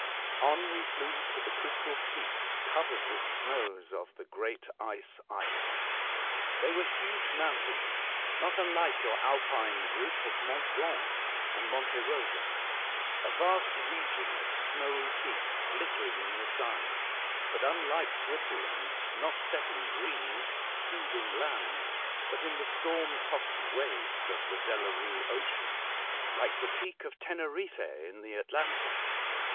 On we flew to the crystal peaks covered with snows of the great Ice Island. They were huge mountains, not unlike your Alpine group of Mont Blanc and Monte Rosa. A vast region of snowy peaks glittering in the Sun, but unlike Switzer land, not set in green, heaving lands, but in the storm toss'd waves of the Delarue Ocean —like the peak of Teneriffe in the Atlantic.